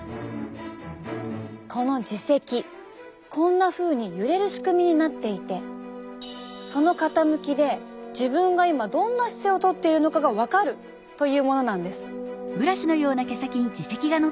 この耳石こんなふうに揺れる仕組みになっていてその傾きで自分が今どんな姿勢をとっているのかが分かるというものなんです。